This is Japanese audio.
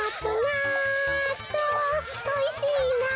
おいしいなっと。